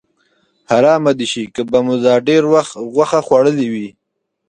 حرامه دې شي که به مو دا ډېر وخت غوښه خوړلې وي.